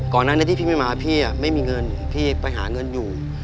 นั้นที่พี่ไม่มาพี่ไม่มีเงินพี่ไปหาเงินอยู่